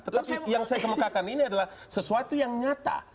tetapi yang saya kemukakan ini adalah sesuatu yang nyata